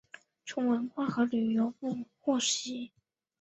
从文化和旅游部获悉